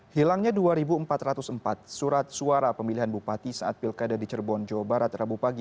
hilangnya dua empat ratus empat surat suara pemilihan bupati saat pilkada di cirebon jawa barat rabu pagi